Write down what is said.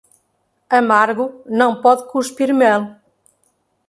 Amargo, não pode cuspir mel.